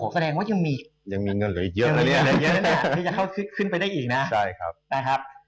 แสดงว่ายังไม่มีการที่จะเข้าขึ้นไปได้อีกนะ